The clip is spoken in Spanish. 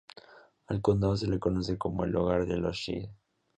Al condado se le conoce como el hogar de los She.